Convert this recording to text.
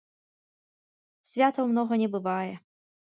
Святаў многа не бывае!